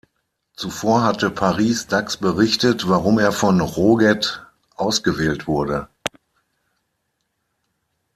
Zuvor hatte Paris Dax berichtet, warum er von Roget ausgewählt wurde.